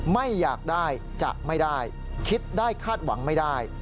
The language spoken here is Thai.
ไม่อยากได้จะไม่ได้คิดได้คาดหวังไม่ได้